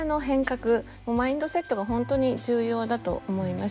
マインドセットが本当に重要だと思います。